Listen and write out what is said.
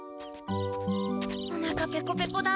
おなかペコペコだ。